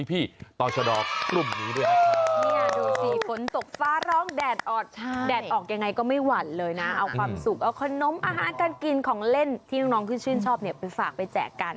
นี่ดูสิฝนตกฟ้าร้องแดดออกแดดออกยังไงก็ไม่หวั่นเลยนะเอาความสุขเอาขนมอาหารการกินของเล่นที่น้องขึ้นชื่นชอบเนี่ยไปฝากไปแจกกัน